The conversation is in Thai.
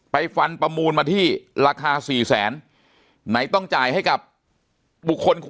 ฟันประมูลมาที่ราคา๔แสนไหนต้องจ่ายให้กับบุคคล